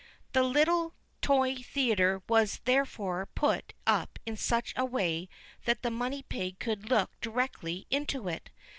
The little toy theater was therefore put up in such a way that the money pig could look directly into it.